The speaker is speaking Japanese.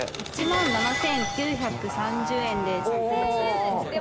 １万７，９３０円です。